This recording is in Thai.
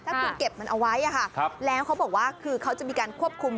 ถ้าคุณเก็บมันเอาไว้แล้วเขาบอกว่าคือเขาจะมีการควบคุม